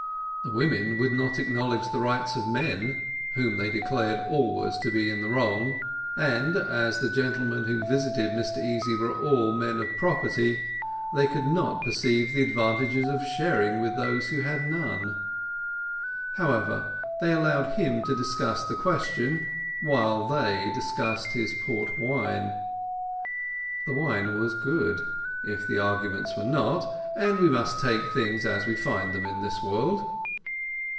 The women would not acknowledge the rights of men, whom they declared always to be in the wrong; and, as the gentlemen who visited Mr Easy were all men of property, they could not perceive the advantages of sharing with those who had none. However, they allowed him to discuss the question, while they discussed his port wine. The wine was good, if the arguments were not, and we must take things as we find them in this world.